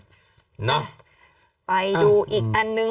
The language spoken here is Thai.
ไปดูอีกอันหนึ่ง